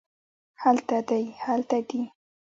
هلته دی هلته دي